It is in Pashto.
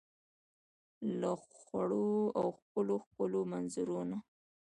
له خوړو او ښکلو ، ښکلو منظرو نه